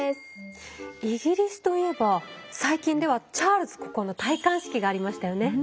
イギリスといえば最近ではチャールズ国王の戴冠式がありましたよね。